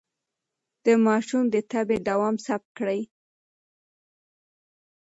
د ماشوم د تبه دوام ثبت کړئ.